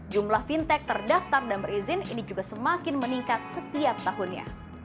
jumlah fintech terdaftar dan berizin ini juga semakin meningkat setiap tahunnya